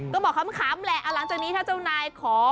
ก็บอกขำแหละหลังจากนี้ถ้าเจ้านายขอ